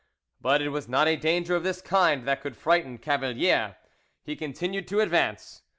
But it was not a danger of this kind that could frighten Cavalier; he continued to advance.